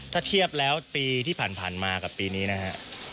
ถ้าเทียบแล้วปีที่ผ่านมากับปีนี้นะฮะ